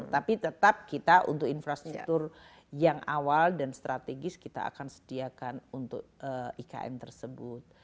tapi tetap kita untuk infrastruktur yang awal dan strategis kita akan sediakan untuk ikm tersebut